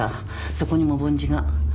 そこにも梵字が。